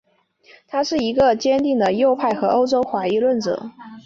他是一个坚定的右派和欧洲怀疑论者。